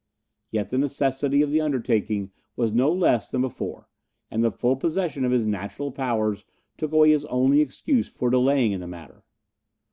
Yet the necessity of the undertaking was no less than before, and the full possession of all his natural powers took away his only excuse for delaying in the matter.